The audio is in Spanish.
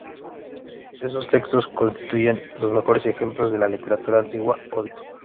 Estos textos constituyen los mejores ejemplos de la literatura antigua Odia.